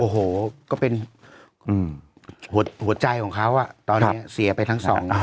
โอ้โหก็เป็นหัวใจของเขาตอนนี้เสียไปทั้งสอง